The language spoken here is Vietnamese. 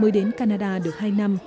mới đến canada được hai năm